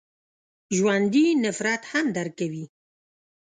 ژوندي نفرت هم درک کوي